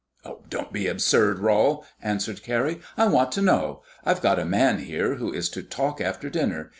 "Don't be absurd, Rol," answered Carrie. "I want to know. I've got a man here, who is to talk after dinner.